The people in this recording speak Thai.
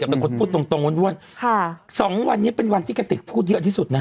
เป็นคนพูดตรงตรงอ้วนค่ะสองวันนี้เป็นวันที่กระติกพูดเยอะที่สุดนะ